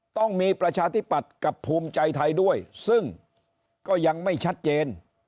ต้องมีประชาธิปัตย์กับภูมิใจไทยด้วยซึ่งก็ยังไม่ชัดเจน